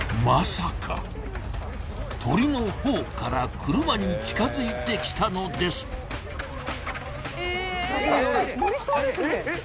まさか鳥のほうから車に近づいてきたのです・